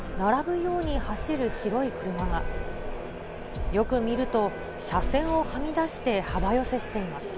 よく見ると、車線をはみ出して幅寄せしています。